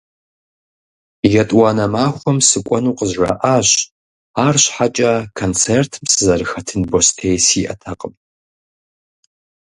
ЕтӀуанэ махуэм сыкӀуэну къызжаӀащ, арщхьэкӀэ концертым сызэрыхэтын бостей сиӀэтэкъым.